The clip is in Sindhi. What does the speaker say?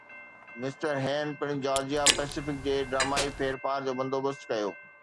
مسٽر هيئن پڻ جارجيا پئسفڪ جي ڊرامائي ڦيرڦار جو بندوبست ڪيو